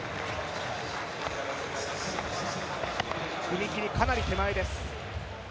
踏み切り、かなり手前です。